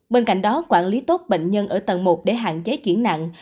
bên cạnh đó quản lý tốt bệnh nhân ở tầng một để hạn chế chuyển nặng